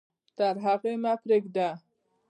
تر هغې مه پرېږده.